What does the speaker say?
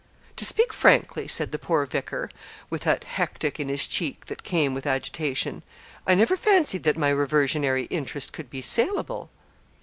'To speak frankly,' said the poor vicar, with that hectic in his cheek that came with agitation, 'I never fancied that my reversionary interest could be saleable.'